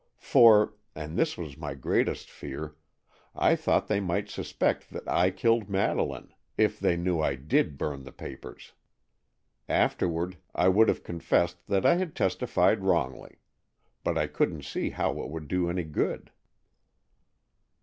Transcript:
For—and this was my greatest fear—I thought they might suspect that I killed Madeleine, if they knew I did burn the papers. Afterward, I would have confessed that I had testified wrongly, but I couldn't see how it would do any good."